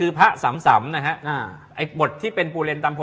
เล็กเล็กเล็กเล็กเล็กเล็กเล็ก